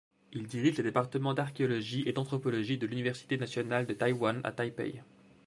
Il dirige les départements d'archéologie et d'anthropologie de l'université nationale de Taïwan à Taipei.